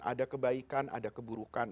ada kebaikan ada keburukan